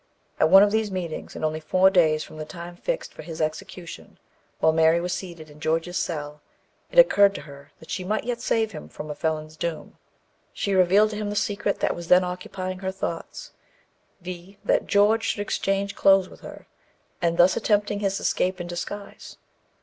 At one of these meetings, and only four days from the time fixed for the execution, while Mary was seated in George's cell, it occurred to her that she might yet save him from a felon's doom. She revealed to him the secret that was then occupying her thoughts, viz. that George should exchange clothes with her, and thus attempt his escape in disguise.